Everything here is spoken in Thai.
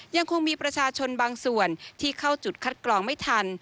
ยังคงมีประชาชนบางส่วนที่เข้าจุดคัดกรองไม่ทัน